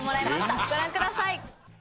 ご覧ください。